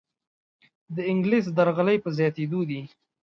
دانګلیس درغلۍ په زیاتیدو ده.